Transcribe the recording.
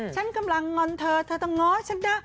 ฉันกำลังงอนเธอเธอต้องง้อฉันเด้อ